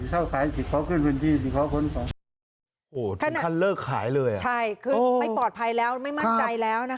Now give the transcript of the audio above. ใช่คือไม่ปลอดภัยแล้วไม่มั่นใจแล้วนะคะ